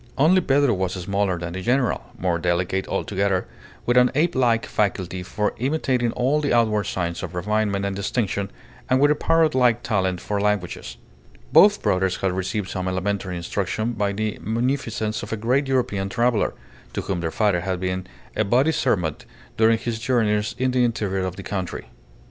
Only Pedro was smaller than the general, more delicate altogether, with an ape like faculty for imitating all the outward signs of refinement and distinction, and with a parrot like talent for languages. Both brothers had received some elementary instruction by the munificence of a great European traveller, to whom their father had been a body servant during his journeys in the interior of the country.